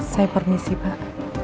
saya permisi pak